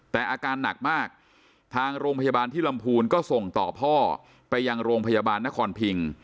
แต่อาการหนักมากทางโรงพยาบาลที่ลำพูนก็ส่งต่อพ่อไปยังโรงพยาบาลนครพิง